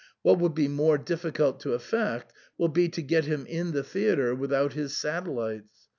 " What will be more difficult to effect, will be, to get him in the theatre without his satellites.